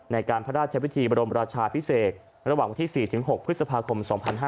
ในการพระราชพิธีบรมราชาพิเศษระหว่างวันที่๔๖พฤษภาคม๒๕๕๙